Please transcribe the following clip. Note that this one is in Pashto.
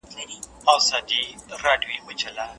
که تعلیمي ویډیو واضح وي، موضوع سخته نه ښکاري.